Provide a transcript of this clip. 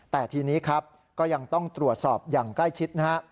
แต่ทีนี้ก็ยังต้องตรวจสอบอย่างใกล้ชิด